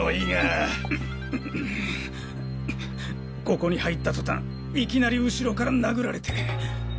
ここに入った途端いきなり後ろから殴られて。